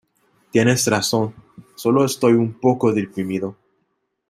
Tienes razón, sólo estoy un poco deprimido.